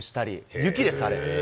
雪です、あれ。